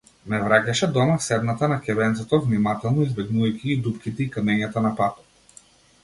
Ме враќаше дома седната на ќебенцето, внимателно избегнувајќи ги дупките и камењата на патот.